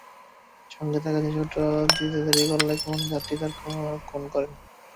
সঙ্গে থাকা জিনিসপত্র দিতে দেরি করলে কখনো যাত্রীকে তাঁরা খুনও করেন।